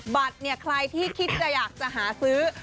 บัตรเนี่ยใครที่คิดจะอยากจะหาซื้อ